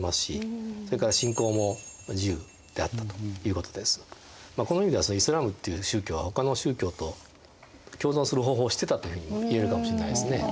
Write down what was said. この人たちはこの意味ではイスラームっていう宗教はほかの宗教と共存する方法を知ってたというふうにもいえるかもしれないですね。